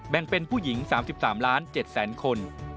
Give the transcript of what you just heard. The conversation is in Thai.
เป็นผู้หญิง๓๓ล้าน๗แสนคน